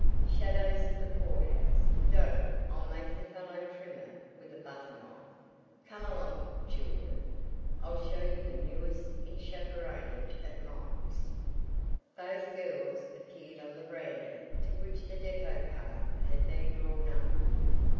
"Shadows of the poorhouse! Don't! I'll make the fellow trim it with a butter knife. Come along, children. I'll show you the newest in chaperonage at Mike's!" Both girls appeared on the veranda to which the depot cart had been drawn up.